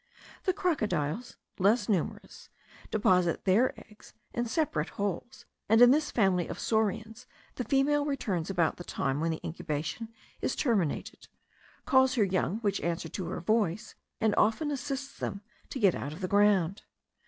The crocodiles, less numerous, deposit their eggs in separate holes; and, in this family of saurians, the female returns about the time when the incubation is terminated, calls her young, which answer to her voice, and often assists them to get out of the ground.